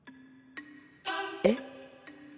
えっ？